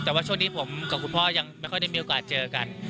แต่ว่าช่วงนี้ผมกับคุณพ่อยังไม่ค่อยได้มีโอกาสเจอกัน